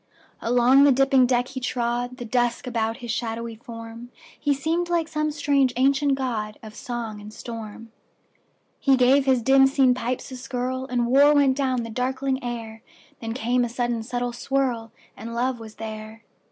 Along the dipping deck he trod, The dusk about his shadowy form; He seemed like some strange ancient godOf song and storm. He gave his dim seen pipes a skirlAnd war went down the darkling air; Then came a sudden subtle swirl, And love was there.